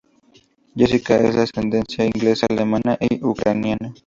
Jessica es de ascendencia inglesa, alemana y ucraniana.